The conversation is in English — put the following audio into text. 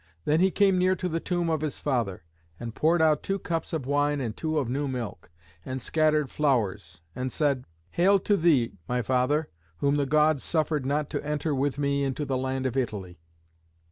Then he came near to the tomb of his father, and poured out two cups of wine and two of new milk, and scattered flowers, and said, "Hail to thee, my father, whom the Gods suffered not to enter with me into the land of Italy."